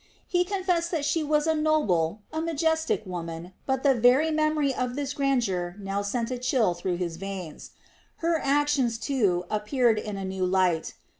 He confessed that she was a noble, a majestic woman, but the very memory of this grandeur now sent a chill through his veins. Her actions, too, appeared in a new light.